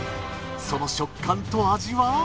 その食感と味は？